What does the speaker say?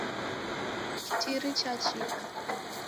Kitiri chachika.